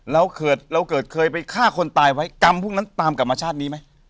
เราเกิดเราเกิดเคยไปฆ่าคนตายไว้กรรมพวกนั้นตามกลับมาชาตินี้ไหม